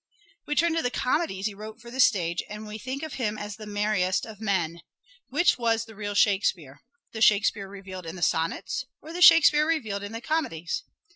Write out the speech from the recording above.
We turn to the comedies he wrote for the stage, and we think of him as the merriest of men. Which was the real Shakespeare ? The Shakespeare revealed in the sonnets or the Shakespeare revealed in the comedies